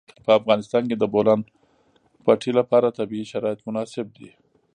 په افغانستان کې د د بولان پټي لپاره طبیعي شرایط مناسب دي.